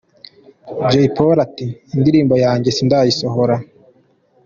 Jay Polly ati “Indirimbo yanjye sindayisohora”.